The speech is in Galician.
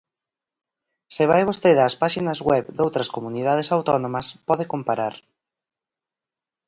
Se vai vostede ás páxinas web doutras comunidades autónomas, pode comparar.